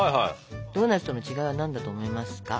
ドーナツとの違いは何だと思いますか？